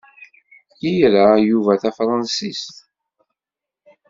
Ira Yuba tafransist.